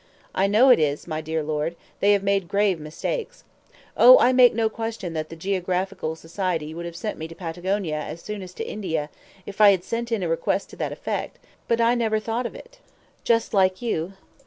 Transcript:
"I know it is, my dear Lord; they have made grave mistakes. Oh, I make no question that the Geographical Society would have sent me to Patagonia as soon as to India, if I had sent in a request to that effect. But I never thought of it." "Just like you."